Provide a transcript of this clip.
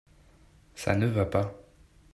ça ne va pas.